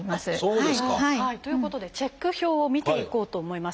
そうですか。ということでチェック表を見ていこうと思います。